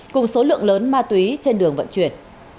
cùng số lượng lớn ma túy trên đường vận chuyển